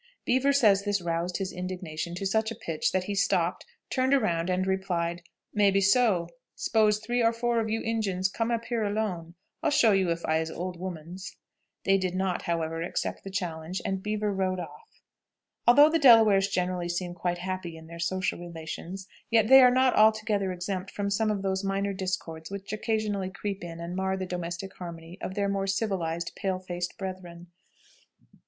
Beaver says this roused his indignation to such a pitch that he stopped, turned around, and replied, "Maybe so; s'pose three or four of you Injuns come up here alone, I'll show you if I'ze old womans." They did not, however, accept the challenge, and Beaver rode off. Although the Delawares generally seem quite happy in their social relations, yet they are not altogether exempt from some of those minor discords which occasionally creep in and mar the domestic harmony of their more civilized pale faced brethren.